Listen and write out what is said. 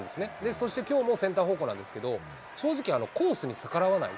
そして、きょうもセンター方向なんですけれども、正直、コースに逆らわない。